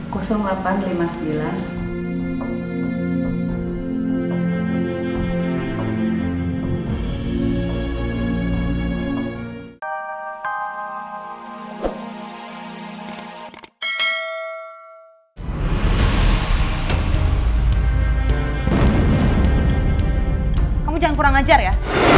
kamu jangan kurang ajar ya